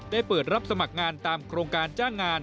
เปิดรับสมัครงานตามโครงการจ้างงาน